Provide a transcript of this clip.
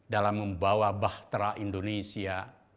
dalam membawa bahtera indonesia